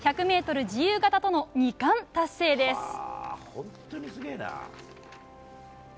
１００ｍ自由形との２冠達成です。